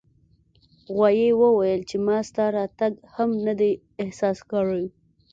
غوایي وویل چې ما ستا راتګ هم نه دی احساس کړی.